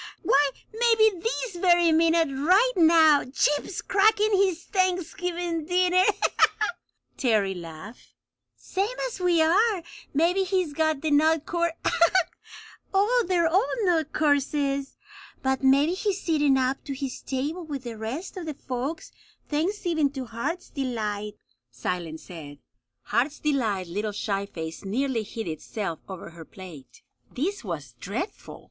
"Why, maybe this very minute right now Chip's cracking his Thanksgiving dinner!" Terry laughed. "Same as we are! Maybe he's got to the nut cour oh, they're all nut courses! But maybe he's sittin' up to his table with the rest of the folks, thanksgiving to Heart's Delight," Silence said. Heart's Delight's little shy face nearly hid itself over her plate. This was dreadful!